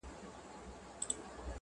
o ورته وگورې په مــــــيـــنـــه.